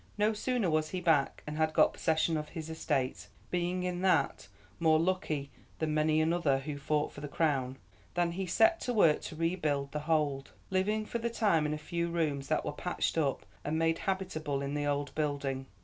"No sooner was he back, and had got possession of his estates, being in that more lucky than many another who fought for the Crown, than he set to work to rebuild The Hold; living for the time in a few rooms that were patched up and made habitable in the old building.